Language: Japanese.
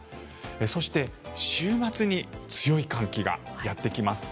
そして、週末に強い寒気がやってきます。